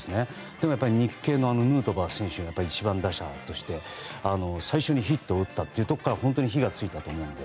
でも、日系のヌートバー選手が１番打者として最初にヒットを打ったところから火が付いたと思うので。